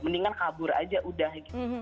mendingan kabur aja udah